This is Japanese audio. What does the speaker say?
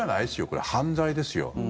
これ犯罪ですよ。